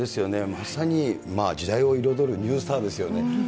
まさに時代を彩るニュースターですよね。